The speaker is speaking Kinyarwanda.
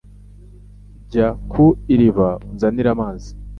jya ku iriba unzanire amazi